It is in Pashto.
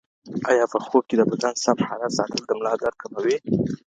ایا په خوب کي د بدن سم حالت ساتل د ملا درد کموي؟